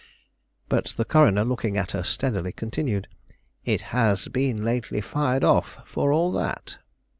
But the coroner, looking at her steadily, continued: "It has been lately fired off, for all that.